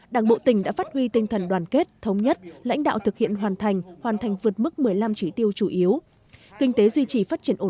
đảng bộ tỉnh đã phát huy tinh thần đoàn kết thống nhất lãnh đạo thực hiện hoàn thành hoàn thành vượt mức một mươi năm trí tiêu chủ yếu